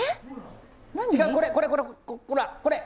これ、これ、ほら、これ。